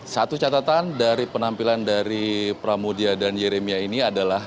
satu catatan dari penampilan dari pramudia dan yeremia ini adalah